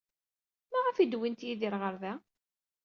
Maɣef ay d-wwint Yidir ɣer da?